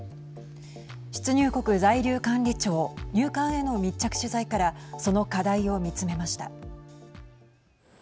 出入国在留管理庁＝入管への密着取材からその課題を見つめました。